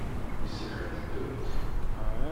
Yessefk ad teddumt.